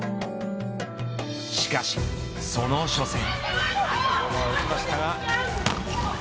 しかしその初戦。